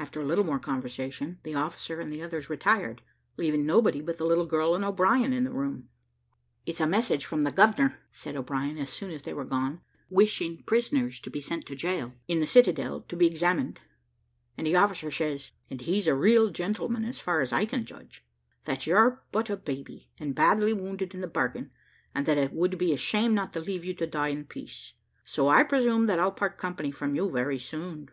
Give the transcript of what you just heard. After a little more conversation, the officer and the others retired, leaving nobody but the little girl and O'Brien in the room. "It's a message from the governor," said O'Brien, as soon as they were gone, "wishing the prisoners to be sent to the gaol in the citadel, to be examined; and the officer says (and he's a real gentleman, as far as I can judge) that you're but a baby, and badly wounded in the bargain, and that it would be a shame not to leave you to die in peace; so I presume that I'll part company from you very soon."